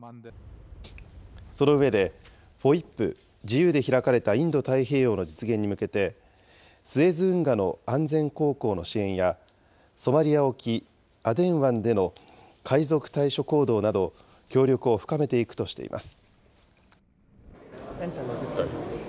その上で、ＦＯＩＰ・自由で開かれたインド太平洋の実現に向けて、スエズ運河の安全航行の支援や、ソマリア沖・アデン湾での海賊対処行動など、協力を深めていくとしています。